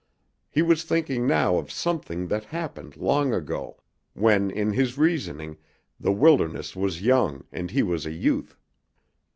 He was thinking now of something that happened long ago, when, in his reasoning, the wilderness was young and he was a youth.